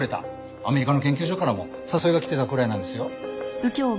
アメリカの研究所からも誘いが来てたくらいなんですよ。